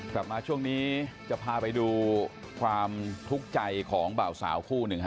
กลับมาช่วงนี้จะพาไปดูความทุกข์ใจของเบาสาวคู่หนึ่งฮ